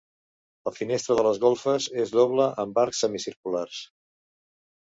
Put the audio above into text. La finestra de les golfes és doble amb arcs semicirculars.